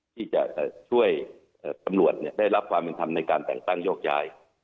ที่จะช่วยตำรวจได้รับความเป็นธรรมในการแต่งตั้งโยกย้าย